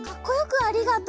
「ありがとう！」。